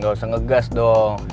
gak usah ngegas dong